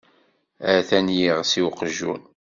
Atan yiɣes i waqjun.